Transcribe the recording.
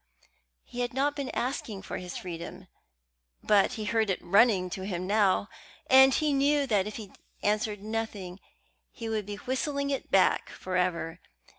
He had not been asking for his freedom; but he heard it running to him now, and he knew that if he answered nothing he would be whistling it back for ever.